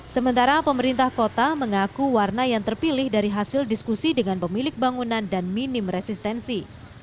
sementara pemerintah kota mengaku warna yang terpilih dari hasil diskusi dengan pemilik bangunan dan minim resistensi